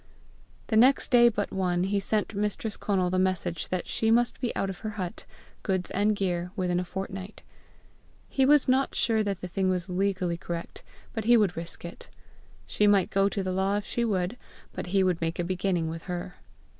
The next day but one, he sent Mistress Conal the message that she must be out of her hut, goods and gear, within a fortnight. He was not sure that the thing was legally correct, but he would risk it. She might go to law if she would, but he would make a beginning with her!